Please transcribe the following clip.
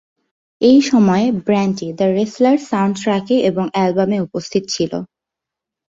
এই সময়ে ব্যান্ডটি "the wrestler" soundtrack এবং অ্যালবামে উপস্থিত ছিল।